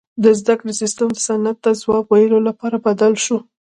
• د زدهکړې سیستم صنعت ته ځواب ویلو لپاره بدل شو.